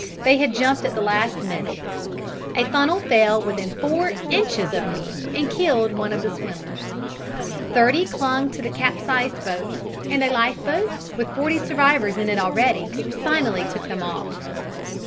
They had jumped at the last minute. A funnel fell within four inches of me and killed one of the swimmers. Thirty clung to the capsized boat, and a life boat, with forty survivors in it already, finally took them off.